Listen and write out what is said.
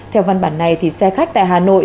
theo văn bản này xe khách tại hà nội